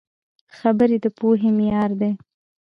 خبرې د پوهې معیار دي